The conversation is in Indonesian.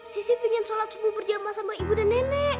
sisi pengen sholat subuh berjamaah sama ibu dan nenek